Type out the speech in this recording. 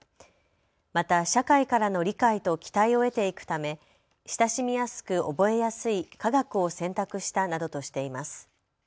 また社会からの理解と期待を得ていくため親しみやすく覚えやすい科学を選択したなどとしています。